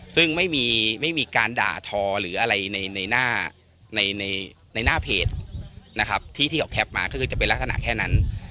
ซึ่งไม่มีการด่าทอหรืออะไรในหน้าเพจนะครับที่ออกแคปมาก็คือจะเป็นลักษณะแค่นั้น